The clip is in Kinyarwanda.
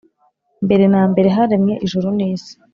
Mbere na mbere haremwe ijuru nisi